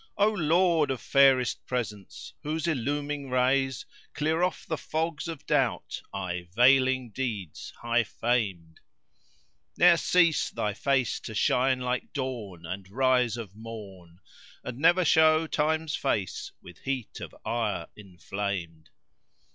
O Lord of fairest presence, whose illuming rays * Clear off the fogs of doubt aye veiling deeds high famed, Ne'er cease thy face to shine like Dawn and rise of Morn * And never show Time's face with heat of ire inflamed!